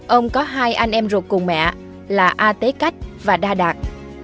ông có hai anh em ruột cùng mẹ là a tế cách và đa đạt